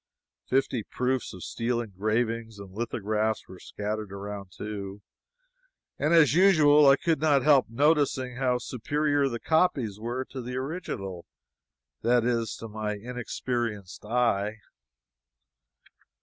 Fifty proofs of steel engravings and lithographs were scattered around, too. And as usual, I could not help noticing how superior the copies were to the original, that is, to my inexperienced eye.